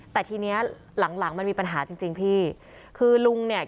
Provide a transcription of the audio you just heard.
แต่ทีนี้หลังมันมีปัญหาจริงพี่คือลุงเนี่ย